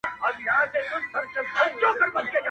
اوس سوځې اوس دې مينې ټول رگونه دي وچ کړي,